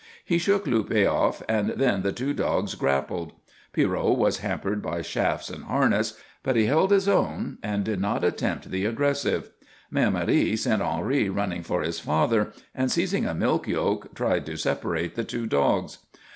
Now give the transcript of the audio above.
He shook Luppe off and then the two dogs grappled. Pierrot was hampered by shafts and harness, but he held his own and did not attempt the aggressive. Mère Marie sent Henri running for his father, and seizing a milk yoke tried to separate the two dogs.